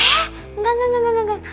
eh engga engga engga engga